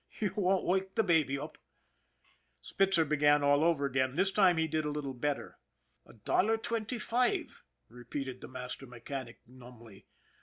You won't wake the baby up." SPITZER 71 Spitzer began all over again. This time he did a little better. " A dollar twenty five/' repeated the master me chanic numbly.